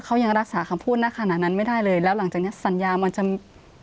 เขายังรักษาคำพูดณขณะนั้นไม่ได้เลยแล้วหลังจากเนี้ยสัญญามันจะ